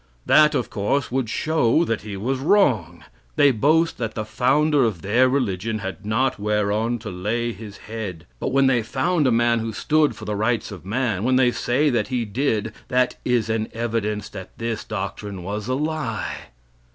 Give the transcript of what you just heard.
That, of course, would show that he was wrong. They boast that the founder of their religion had not whereon to lay his head, but when they found a man who stood for the rights of man, when they say that he did, that is an evidence that this doctrine was a lie.